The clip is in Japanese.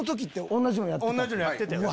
同じのやってたよ。